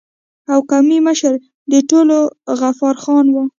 او قومي مشر د ټولو غفار خان وای